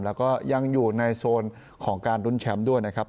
แล้วก็ยังอยู่ในโซนของการรุ้นแชมป์ด้วยนะครับ